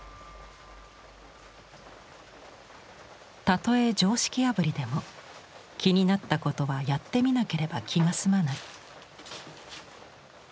たとえ常識破りでも気になったことはやってみなければ気が済まない。